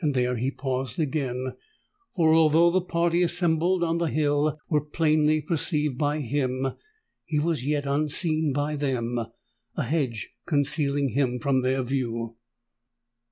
There he paused again;—for although the party assembled on the hill were plainly perceived by him, he was yet unseen by them—a hedge concealing him from their view.